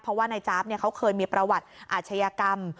เพราะว่านายจ๊าบเขาเคยมีประวัติอาชญากรรม